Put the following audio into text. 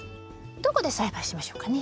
どこで栽培しましょうかね。